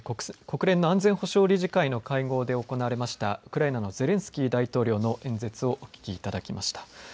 国連の安全保障理事会の会合で行われましたウクライナのゼレンスキー大統領の演説をお聞きいただきました。